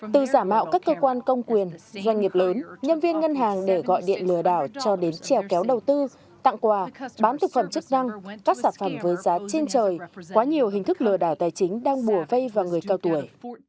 từ giả mạo các cơ quan công quyền doanh nghiệp lớn nhân viên ngân hàng để gọi điện lừa đảo cho đến trèo kéo đầu tư tặng quà bán thực phẩm chức năng các sản phẩm với giá trên trời quá nhiều hình thức lừa đảo tài chính đang bùa vây vào người cao tuổi